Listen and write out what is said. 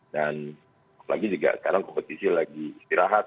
dan lagi juga sekarang kompetisi lagi istirahat